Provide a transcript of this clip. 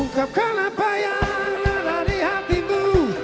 untuk kekayaan anda di hatimu